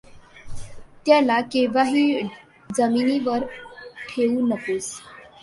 त्याला केव्हाही जमिनीवर ठेऊ नकोस.